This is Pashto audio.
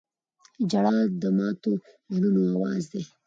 • ژړا د ماتو زړونو آواز دی.